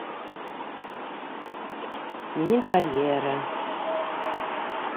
Минең карьера...